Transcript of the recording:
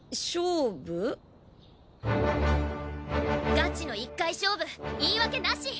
ガチの一回勝負言い訳なし！